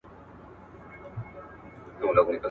هغه کسان چي کتاب لولي د فکر په ډګر کي تل مخکي روان وي.